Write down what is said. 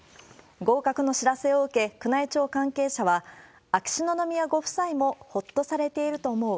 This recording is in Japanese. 合格の知らせを受け、宮内庁関係者は、秋篠宮ご夫妻もほっとされていると思う。